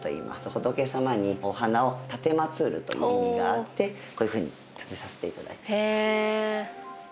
「仏様にお花を奉る」という意味があってこういうふうに立てさせて頂いています。